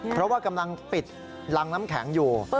เพราะว่ากำลังปิดรังน้ำแข็งอยู่